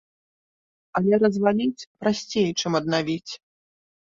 Але разваліць прасцей, чым аднавіць.